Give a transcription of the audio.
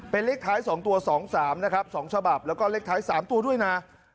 เป็นเลขท้าย๒ตัว๒๓นะครับ๒ฉบับแล้วก็เลขท้าย๓ตัวด้วยนะ